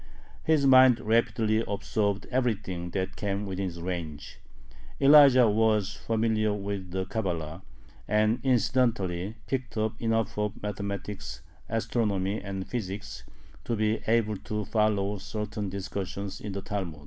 His mind rapidly absorbed everything that came within its range. Elijah was familiar with the Cabala, and incidentally picked up enough of mathematics, astronomy, and physics, to be able to follow certain discussions in the Talmud.